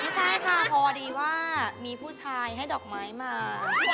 ใช่ค่ะพอดีว่ามีผู้ชายให้ดอกไม้มา